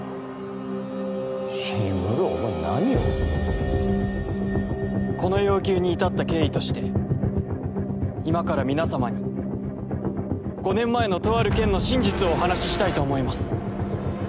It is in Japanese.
ヒムロお前何をこの要求に至った経緯として今から皆様に５年前のとある件の真実をお話ししたいと思います